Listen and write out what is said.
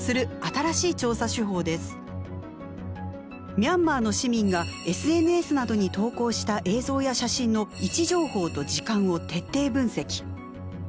ミャンマーの市民がＳＮＳなどに投稿した映像や写真の位置情報と時間を徹底分析。